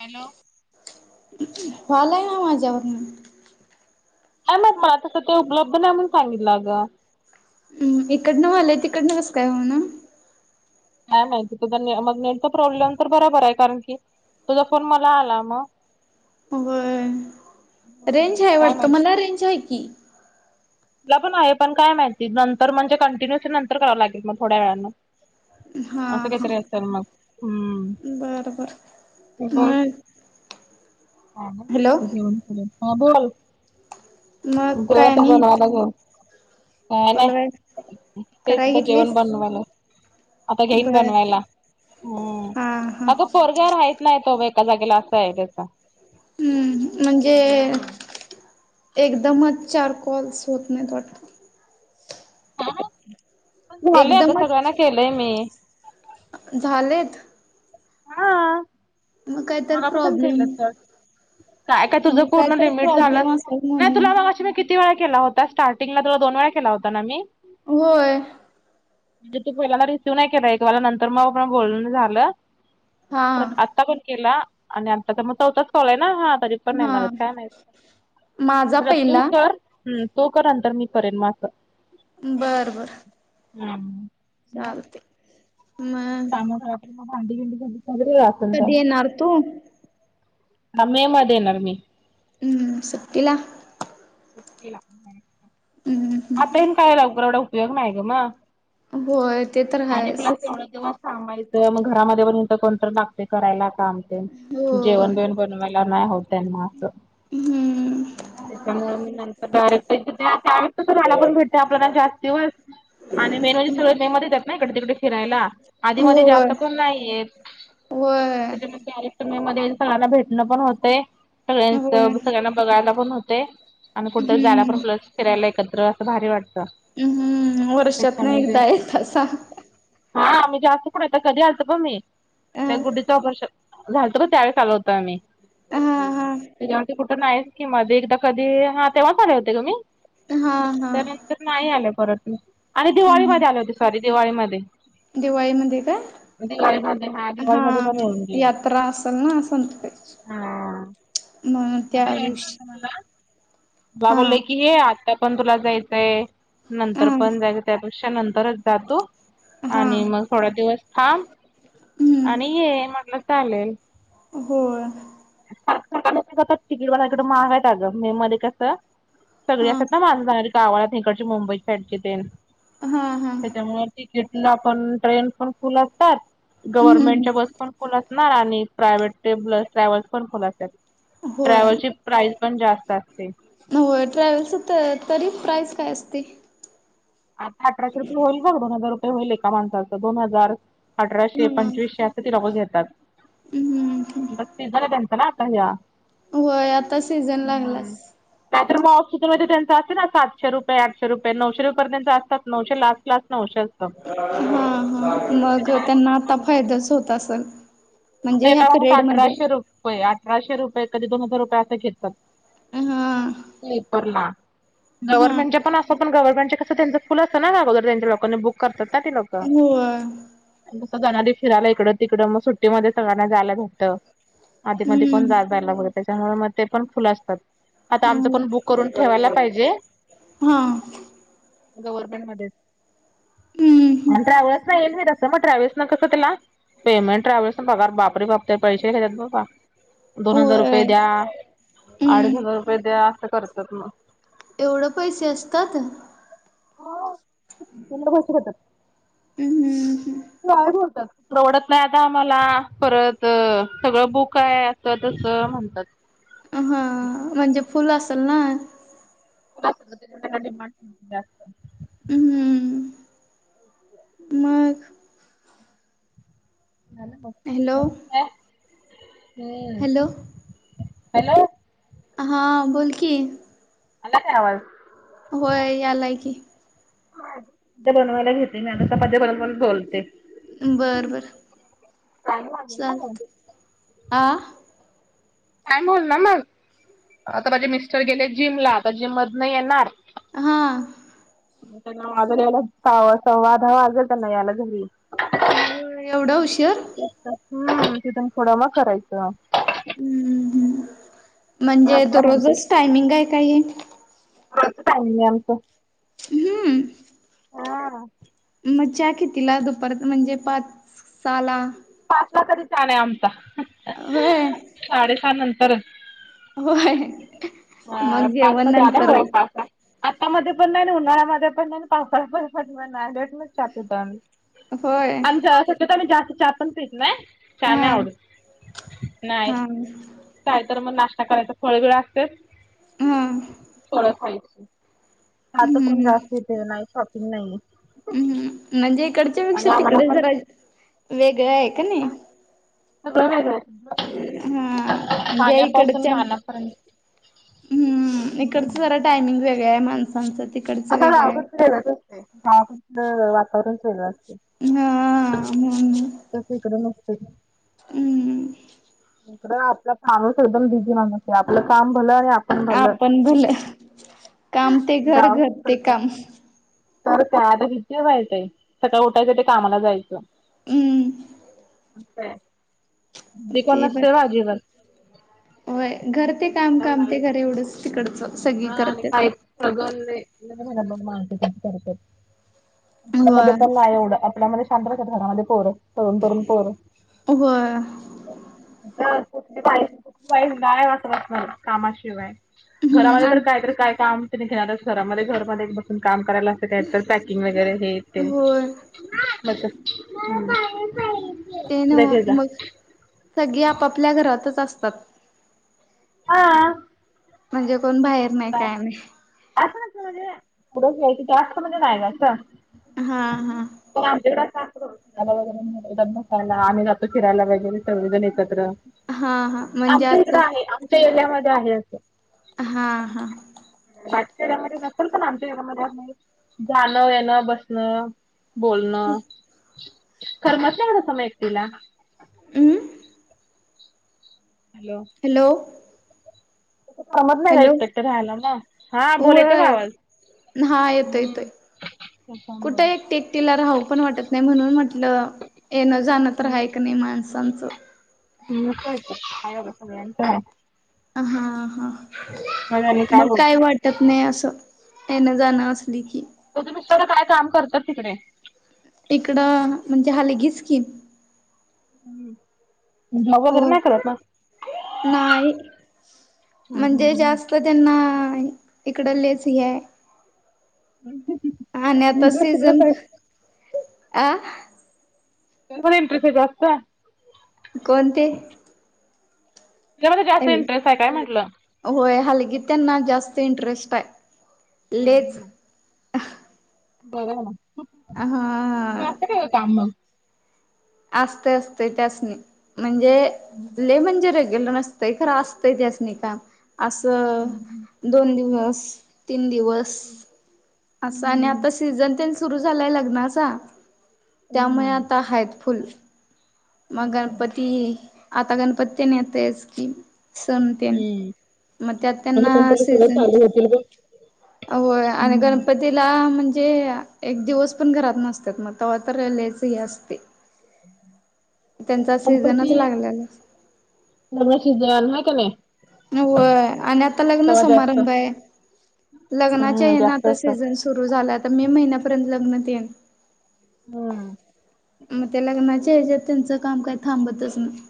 Hello fall आहे ना माझ्यावरून काय माहित नाही मग मला तसं ते उपलब्ध नाही म्हणून सांगितलं अग हम्म इकडनंवलंय तिकड न बस काय म्ह ना.. काय माहिती तुझ मग नेट तर प्रॉब्लेम तर बरोबर आहे कारण की - तुझा फोन मला आला म? व्हय हम्म रेंजय, काय वाटत माहित. मला रेंज हाय की.... तुला पण आहे, पण काय माहिती, नंतर म्हणजे कंटिन्यूस नंतर करावं लागेल मग थोड्या वेळां.... हा असं हा कायतरी असलं मग, हम्म.... बरं बरं मग... हॅलो [unintelligible] ह बोल मग [unintelligible] काय आणि ह नाही पलवाय ते कराय सुद्ध जेवण घेतलीस बन मला. आता घेईन बर बनवायला, हा हा हम्म [unintelligible] पोरगा. राहित नाही तो, बाई एका जागेला असंय तज हम्म म्हणजे.. एकदमच चार कॉल्स होत नाहीत, वाटतं. ण मल अगं, सगळ्यांना एकदमच केलंय मी- झालेत. हा मग काय तर मनापासून प्रॉब्लेम केलं तर... काय काय, तुझं मग पूर्ण तर लिमिट झालं प्रॉब्लेम असेल नाय म्हणून तुला? मगाशी मी किती.. किती वेळा केला होता? स्टार्टिंगला तुला दोन वेळा केला होता ना मी? होय.... म्हणजे तू पहिल्याला रिसीव्ह नाई केला एक, [unintelligible] नंतर मग पण बोलून झालं.... हा परत आत्ता पण केला आणि आता तर मग चौथाच कॉलय ना हा.... तरी पण [unintelligible] हा काय नाही माझा तू पहिला तर... हम्, तो करा, नंतर मी करेन असं बरं बरं.. हम्.. चालते.. मग त्यामळ आपल्याला भांडी बिंंडी सगळे असल त्या. कधी येणार तू हा मे मध्ये येणार मी.. हम्म्, हम्म्, सुट्टीला सुट्टीला हम्म् हम्म हम्म आता हीन काय, लवकर एवढा उपयोग नाही ग म होय, ते तर हायच. एवढे दिवस थांबायचं, मग घरामध्ये पण [unintelligible] कोणतर लागतंय करायला काम, तेन हो जेवण- बिवण बनवाय. ना नाही होतयस हम्म त्यामुळं मी नंतर डायरेक्ट त्या... व मला पण भेटते, आपल्याला जास्ती वेळ आणि मी [unintelligible] मे मध्ये.. नाई, इकड तिकडे फिरायला आधीमध्ये जास्त होय कोण नाही येत. होय त्यांच्यामुळे ते आले. तुम्ही मध्ये सगळ्यांना भेटणं पण होतेय. होय सगळ्यां सगळ्यांना बघायला पण होतेय. आण कुटतरी जायला हम्म पण, प्लस फिरायला एकत्र असं भारी वाटतं. हम्म... वर्षातन त्याच्यामध्ये एकदा येतासा. हा मी जास्त कुठं येते? कधी आलते? बघ, मी अ त्या गुड्डीचं ऑपरेशन! झालतं बघ, त्यावेळेस आलो होतो आम्ही, हा हा त्या आणखी कुठ? नाई की, मधी एकदा कधी हा तेव्हाचं आले होते गं मी हा हा तर नाही आले परत मी आणि दिवाळी मध्ये आले होते सॉरी दिवाळीमध्ये. दिवाळी मध्ये का, दिवाळीमध्ये दिवाळीमध्ये हा पण येऊन गेले यात्रा असंल ना हा म्हणून आता त्या यायचं वेश होतं मला बा बोलले की हे आता पण तुला जायचंय नंतर हा पण जायचयं त्यापेक्षा नंतरच जा तू. हा आणि मग थोड्या दिवस थांब हम्म आणि ये म्हटलं चालेल. होय [unintelligible] तिकीट बघा कडं महाग येत अगं मे मध्ये कसं सगळी हा असतात ना माणसं जाणारी गावाात इकडंची मुंबई साईडची तेन हा हा त्याच्यामुळे तिकीटला पण ट्रेन पण फुल असतात हम्म गव्हर्नमेंटच्या बस पण फुल असणार आणि प्रायव्हेट ते बस ट्रॅव्हल्स पण फुल असत्यात. होय ट्रॅव्हलची प्राइस पण जास्त असते. होय ट्रॅव्हलचं तर तरी प्राईस काय असते? आता अठराशे रुपये होईल बघ दोन हजार रुपये होईल एका माणसाचं दोन हजार अठराशे हा. पंचवीसशे तर ती लोकं घेतात, हम्म मग सिझन हे ना त्यांच आता ह्या, होय आता सीझन हम्म. लागलास. नाहीतर मग ऑफ सिझनमध्ये त्यांच असंत ना सातशे रुपये, आठशे रुपये, नऊशे रु तर त्यानंच असतात नऊशे लास्ट लास्ट नऊशे अस हम्म हम्म मग फक्त त्यांना आता पंधरा. फायदाच होत असल. आता एकाला अठराशे रुपये, अठराशे रुपये कधी दोन हजार रुपये असं घेतात. हा स्लीपरला हा गव्हर्मेंटच्या पण पण गव्हर्नमेंटच्या त्यांच फुल असं ना अगोदर त्यांच्या रेंज लोकांनी बुक करतात ना ते लोक. होय जसं जाणारी फिरायला इकडं तिकडं मग सुट्टीमध्ये सगळ्यांना जायला भेटतं. आधी मधी कोण हम्म जात जायला बगत नाही त्याच्यामुळे मग ते पण फुल असतात. आता आमचं पण बुक करून ठेवायला पाहिजे. हा गव्हर्नमेंट मध्येत हम्म मग ट्रॅव्हल्स न येत बीत अस मग ट्रॅव्हल्स न कसं त्याला पेमेंट ट्रॅव्हल्स पगार बापरे बाप ते पैसे घेतात बाबा. दोन हजार होय रुपये द्या अडीच हम्म हजार रुपये द्या असं करत्यात मग, एवढं पैसे असतात? हो, पेमेंट जास्त घेतात. हम. गायब होता, परवडत नाही आता आम्हाला परत सगळं बुक आहे अस तसं म्हणतात. हां म्हणजे फुल असंल ना, [unintelligible] डिमांड जास्त हम्म मग, हॅलो हॅलो हॅलो हम्म हॅलो. हां बोल की, आला काय आवाज? होय यालाय की. चपात्या बनवायला घेते मी चपात्या बनवत बनवत बोलते. बर बर टाइम लागेल ना चालतय आ, काय बोल ना मग. आता माझे मिस्टर गेले जिमला. आता जिम मधन येणार. हा. त्यांना वाजल यायला सहा सव्वा दहा वाजल त्यांना यायला घरी. हो. एवढं उशर. हम. तिथून पूढ मग करायचं. हम्म् म्हणजे काय तो म्हणते रोजच टायमिंग आहे काय हे? रोजच टायमिंग हाय आमचं. हम्म. हा. मग चहा कीतीला दुपारच म्हणजे पाच, सहा ला? पाचला तरी चहा नाही आमचा. व्हय. साडेसहा नंतरच. होय ह मग पाचला जेवण काय आल्यावर नंतरच पाचला. आतामध्ये पण नाही. उन्हाळ्यामध्ये पण नाही. पावसाळ्यामध्ये पण नाही. लेटनच चहा पितो. होय अच्छा. शक्यतो आम्ही जास्त चहा पण पित नाही. चहा नाही हा आवडत. नाही. हा काय तर मग नाश्ता करायचा. फळ बीळ असते. हा फळ खायची. आता कोण हम्म जास्त इथे नाही शॉपिंग नाही. हम्म. म्हणजे इकडच्या पेक्षा, आम्हाला तिकडे पण जरा वेगळ हाय कनी. सगळ वेगळं. हा म्हणजे खाण्यापासून इकडच्या, राहण्यापर्यंत. हम् हम्म इकडच जरा टायमिंग वेगळ हाय माणसाच ते. आता गावाकडचं वेगळच असतय. गावाकडचं वातावरण वेगळच असतय. हा म्हणून. तस इकड नसतय. हम्म. इकडं आपला माणूस एकदम बीझी माणूस आहे. आपलं काम भलं आणि आप ण भलं. आपण भलं काम ते घर गाव घर तर ते काय. काम तर काय किती वाईट हाय. सकाळी उठायचं ते कामाला जायचं. हम्म. [unintelligible] घरी कोण ते बर. नसते व होय घर ते काम. काम ते अजिबात. घर एवढंच तिकडचं. सगळी हा आणि करत्यात. काही प्रगले तेच म्हनालतो मातीच करत्यात. आपल्यामध्ये होय पण नाही एवढं. आपल्यामध्ये शांत राहतात घरामध्ये पोर. तरुण तरुण पोर. होय तर कुठली बाई. कुठ गाय वासराशिव्याय कामाशिवाय. हम्म घरामध्ये तर आणि काहीतरी काय काम घेणारच घरामध्ये घरमध्ये बसून काम करायला. कायतरी पॅकिंग वगैरे हे ते. होय म ते मला पाणी पाहिजे. ते नव्ह मग सगळी आपापल्या घरातच असतात. हा. म्हणजे कोण बाहेर नाही काय नाही. असं नसतं म्हणजे, पुढं यायायच जास्त म्हणजे नाही ग असं. हा हा. पण आमच्याकडे अस सासरी त्याला वगैरे धकायला आम्ही जातो फिरायला वगैरे सगळेजण एकत्र. हा हा म्हणजे आमच्या इकड असं आहे आमच्या एरियामध्ये आहे अस. हा हा. मागच्या एरिया मध्ये नसेल पण आमच्या एरिया मध्ये असणार जाणं येणं बसणं. बोलणं करमत नाही ओ तस म एकटिला. हम्. हॅलो. हॅलो, करमत नाही हॅलो एकट एकट रहायला ना हा बोल येतोय का वय आवाज. हा येतोय हम त्याच्यामुळे, तिला राहू पण वाटत नाही म्हणून म्हटलं येणं जाणं तर हाय का नाही माणसांचं. हम् कायतर हाय एवढ सगळ्यांच हाय! हा हा मग काय वाट. ततने असं येण जाण असली की. तुझे मिसटर काय काम करतात तिकडे? इकडं म्हणजे हालगीच की. जॉब वगैरे हो नाही करत ना. नाही हम म्हणजे हम. जास्त त्यांना इकड लेस ही आहे. एक. आणि आता सीझन अ. मी पण एंट्रीत आहे जास्त. कोण ते. तुज्यामध्ये जासत इंटरेस्ट काय म्हटलं. होय हलगी त्यांना जास्त इंटरेस्ट आहे लेच. हम्म बरं ना. अ हा, होत काम मग, असते असते त्यासणी म्हणजे ले म्हणजे रेग्युलर नसते. खर असतंय त्यासनी काम असं दोन दिवस तीन दिवस, हम्म, असं आणि आता सीझन ते सुरू झालाय लग्नाचा, त्यामुळे हम्म आता आहेत फुल! मग गणपती आता गणपती तेन येतयचकी. सण तेन मग त्यात आता त्यांना संपलं सगळं सीझन. चालू होतील बघ होय आणि हम्म गणपती, तिला म्हणजे एक दिवस पण घरात नसतता मग तव्हा तर लयच ह असते. त्यांचा सीझनच गणपती लागलेला असतो. नगराक्षी देन आहेय काने, होय आणि आता लग्न जास्त समारंभ आहे लग्नाच्या हम्म हेन जास्त आता असतात सीझनच, सुरू झाला आता मे महिन्यापर्यंत लग्न तेन? हम्म मग त्या लग्नाचया ह्याच्यात त्यांचं काम काही थांबतच नाही.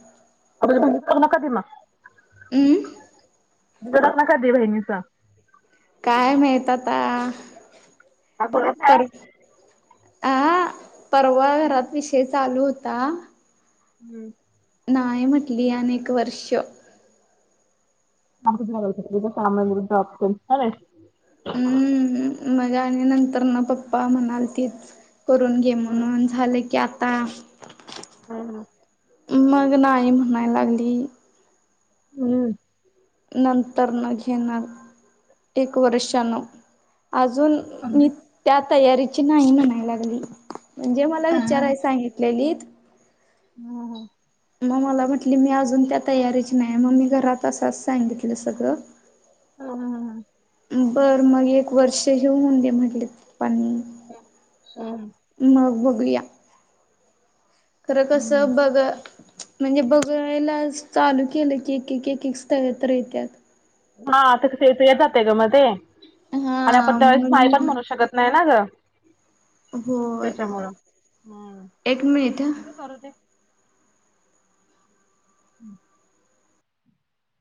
अे करू नका मग [unintelligible] हम्, लग्न कधी हाय बहिणीच. काय माहीत आता. अकोल्यात आहे. पर आ परवा घरात विषय चालु होता हम्म्म नाही म्हटली आणि एक वर्ष [unintelligible] माझे आणि नंतर न पप्पा म्हणाल तेच करून घे ना. म्हणून झालं की आता हं हं मग नाही म्हणाय लागली हम्म्म नंतर न घेणार एक वर्षान आजुन मी त्या तयारीची नाही म्हणाय लागली म्हणजे मला विचाराय सांगितलेलीत हं मग मला म्हटली मी अजुन त्या तयारीची नाय म मी जरा तसंच सांगितल सगळ हं बर मग एक वर्ष हे होऊन दे म्हटले पप्पानी हं मग बघुया खरं कस बघ म्हणजे बघायला चालु केल की एक-एक एक-एक स्थळ तर येत्यात हां तेच ते येतया जातय ग मध्ये हा आणि हा आपण त्यावेळेस नाय पण म्हणून म्हणु शकत नाही ना ग होय त्याच्यामुळं. एक मिनिट करूदे हं